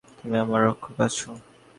তুমি আমার রক্ষক আছ।